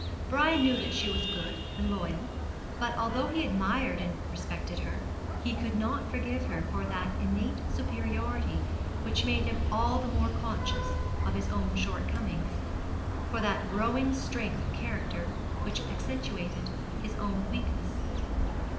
Brian knew that she was good and loyal; but although he admired and respected her, he could not forgive her for that innate superiority which made him all the more conscious of his own shortcomings, for that growing strength of character which accentuated his own weakness.